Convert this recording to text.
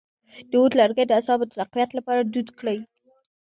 د عود لرګی د اعصابو د تقویت لپاره دود کړئ